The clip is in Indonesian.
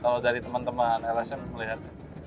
kalau dari teman teman lsm melihat